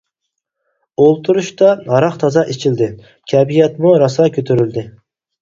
ئولتۇرۇشتا ھاراق تازا ئىچىلدى، كەيپىياتمۇ راسا كۆتۈرۈلدى.